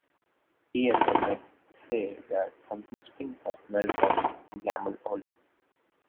Here one might say that something stinks or smells of "Gamle Ole".